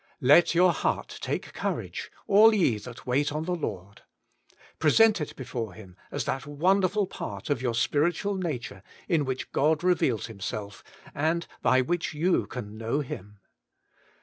* Let your heart take courage, all ye that wait on the Lord.' Present it before Him as that wonderful part of your spiritual nature in which God reveals Himself, and by which you can know Him.